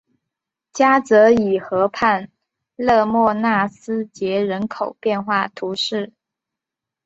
加泽伊河畔勒莫纳斯捷人口变化图示